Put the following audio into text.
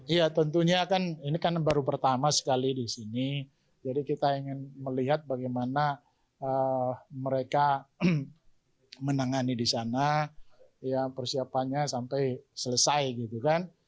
iya tentunya kan ini kan baru pertama sekali di sini jadi kita ingin melihat bagaimana mereka menangani di sana ya persiapannya sampai selesai gitu kan